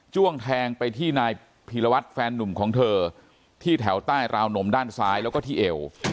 ้วงแทงไปที่นายพีรวัตรแฟนนุ่มของเธอที่แถวใต้ราวนมด้านซ้ายแล้วก็ที่เอว